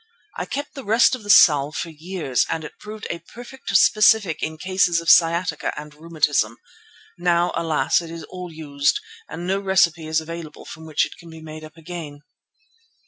I kept the rest of the salve for years, and it proved a perfect specific in cases of sciatica and rheumatism. Now, alas! it is all used and no recipe is available from which it can be made up again.